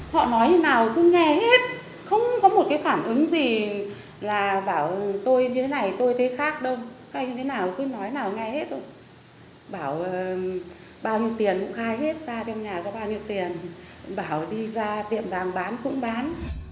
cái nào nghe hết rồi bảo bao nhiêu tiền cũng khai hết ra trong nhà có bao nhiêu tiền bảo đi ra tiệm đàng bán cũng bán